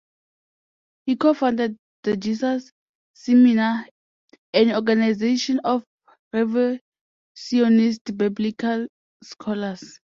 He co-founded the Jesus Seminar, an organization of revisionist biblical scholars.